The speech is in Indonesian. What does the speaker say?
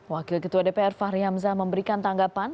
wakil ketua dpr fahri hamzah memberikan tanggapan